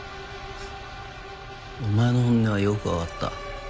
お前の本音はよくわかった。